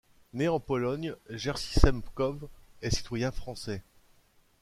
Né en Pologne, Jerzy Semkow est citoyen français.